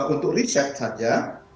untuk riset saja